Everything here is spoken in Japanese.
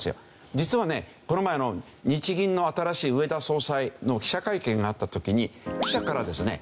実はねこの前日銀の新しい植田総裁の記者会見があった時に記者からですね